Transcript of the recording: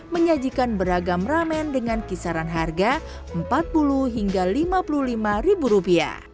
menyajikan beragam ramen dengan kisaran harga rp empat puluh hingga rp lima puluh lima